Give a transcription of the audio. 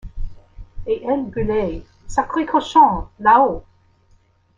Et elle gueulait: — Sacré cochon, là-haut!